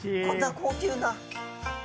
こんな高級な。